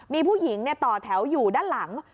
มีผู้หญิงต่อแถวอยู่ด้านหลัง